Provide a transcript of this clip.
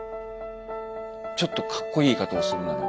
ちょっとかっこいい言い方をするなら。